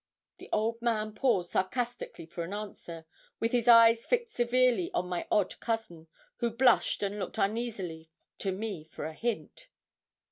The old man paused sarcastically for an answer, with his eyes fixed severely on my odd cousin, who blushed and looked uneasily to me for a hint.